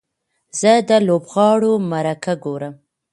زه د لوبغاړو مرکه ګورم.